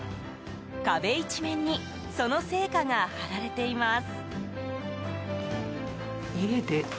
壁一面にその成果が貼られています。